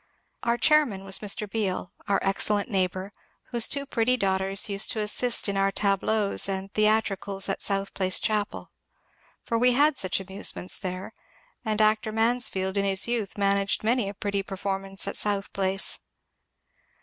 Our chairman was Mr. Beal, our excellent neighbour, whose two pretty daughters used to assist in our tableaux and theat ricals at South Place chapel. For we had such amusements there, and actor Mansfield in his youth managed many a pretty performance at South Place.